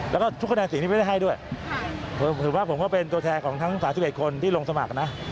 แล้วก็ทุกคะแนนเสียงนี้ไม่ได้ให้ด้วยผมถือว่าผมก็เป็นตัวแทนของทั้ง๓๑คนที่ลงสมัครนะ